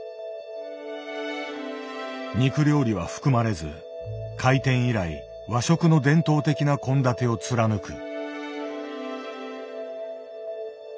肉料理は含まれず開店以来和食の伝統的な献立を貫く。